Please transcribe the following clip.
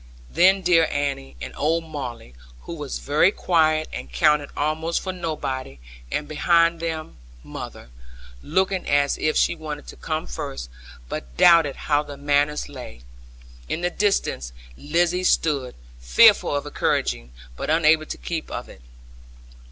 Then dear Annie, and old Molly (who was very quiet, and counted almost for nobody), and behind them, mother, looking as if she wanted to come first, but doubted how the manners lay. In the distance Lizzie stood, fearful of encouraging, but unable to keep out of it.